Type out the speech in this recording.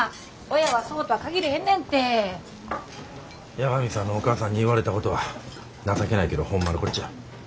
八神さんのお母さんに言われたことは情けないけどホンマのこっちゃ。